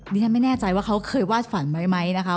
ดิฉันไม่แน่ใจว่าเขาเคยวาดฝันไว้ไหมนะคะ